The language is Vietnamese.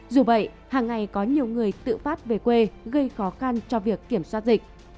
dù vậy hàng ngày có nhiều người tự phát về quê gây khó khăn cho việc kiểm soát dịch